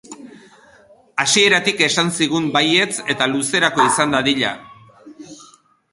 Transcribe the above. Hasieratik esan zigun baietz eta luzerako izan dadila!